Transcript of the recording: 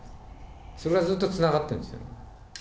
それがずっとつながっているんですよ。